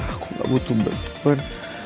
aku gak butuh bantuan